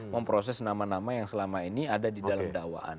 memproses nama nama yang selama ini ada di dalam dakwaan